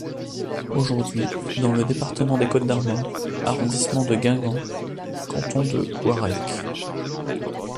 Aujourd'hui dans le département des Côtes-d'Armor, arrondissement de Guingamp, canton de Gouarec.